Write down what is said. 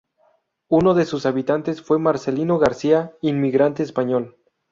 Uno de sus habitantes fue Marcelino García, inmigrante español.